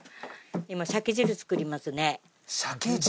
今鮭汁作りますね鮭汁？